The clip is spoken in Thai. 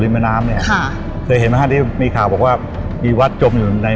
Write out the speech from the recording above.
แม่น้ำเนี่ยค่ะเคยเห็นไหมฮะที่มีข่าวบอกว่ามีวัดจมอยู่ใน